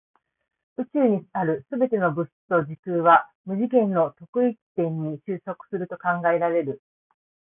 宇宙にある全ての物質と時空は無次元の特異点に収束すると考えられる。